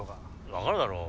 分かるだろう。